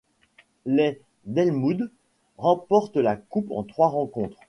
Les d'Elmwood remportent la Coupe en trois rencontres.